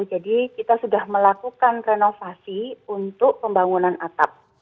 jadi kita sudah melakukan renovasi untuk pembangunan atap